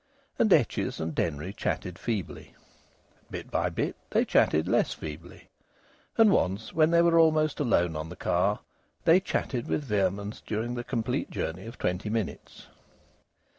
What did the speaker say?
And Etches and Denry chatted feebly. Bit by bit they chatted less feebly. And once, when they were almost alone on the car, they chatted with vehemence during the complete journey of twenty minutes.